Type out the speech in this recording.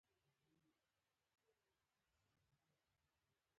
دوی په خپلو تنګو کورونو او تیارو کوڅو کې په تنګ شي.